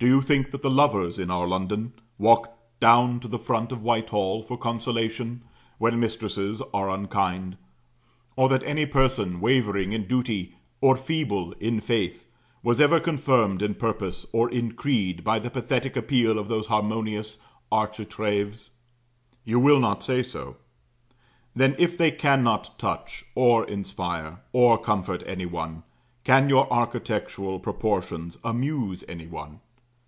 Do you think that the lovers in our London walk down to the front of Whitehall for consolation when mistresses are unkind; or that any person wavering in duty, or feeble in faith, was ever confirmed in purpose or in creed by the pathetic appeal of those harmonious architraves? You will not say so. Then, if they cannot touch, or inspire, or comfort any one, can your architectural proportions amuse any one?